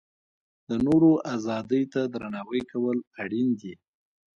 د نورو ازادۍ ته درناوی کول اړین دي.